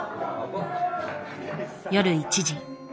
夜１時。